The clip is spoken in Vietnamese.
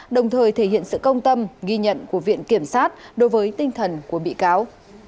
đồng thời thể hiện sự công tâm ghi nhận của viện kiểm sát đối với tinh thần của bị cáo